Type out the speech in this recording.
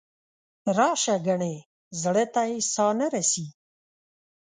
راشه ګنې زړه ته یې ساه نه رسي.